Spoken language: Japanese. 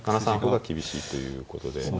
７三歩が厳しいということで。